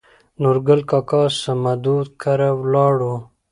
نورګل کاکا سمدو کره ولاړو.